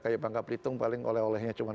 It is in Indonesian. kayak bangka belitung paling oleh olehnya cuma